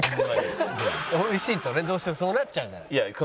美味しいとねどうしてもそうなっちゃうじゃない。